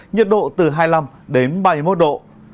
nhiệt độ từ hai mươi năm đến ba mươi một độ